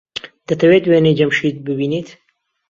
دەتەوێت وێنەی جەمشید ببینیت؟